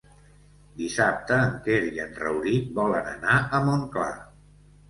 Dissabte en Quer i en Rauric volen anar a Montclar.